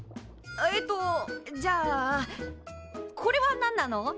えっとじゃあこれは何なの？